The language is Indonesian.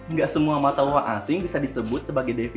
tapi enggak semua mata uang asing bisa disebut sebagai defisa ya